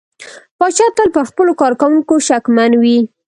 پاچا تل پر خپلو کارکوونکو شکمن وي .